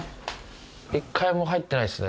１回も入ってないんですか。